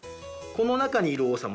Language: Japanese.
この中にいる王様